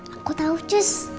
aku tau jus